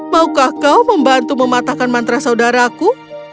maukah kau membantu mematahkan mantra saudaraku